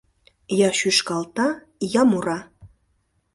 Я шӱшкалта, я мура.